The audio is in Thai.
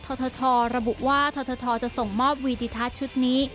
ททระบุว่าททจะส่งมอบวีดิทัศน์ชุดนี้